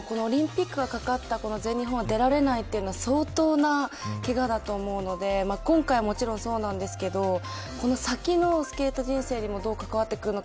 オリンピックがかかった全日本が出られないというのは相当なけがだと思うので今回はもちろんそうなんですがこの先のスケート人生にもどう関わってくるのか。